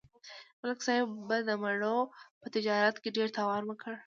ملک صاحب د مڼو په تجارت کې ډېر تاوان وکړ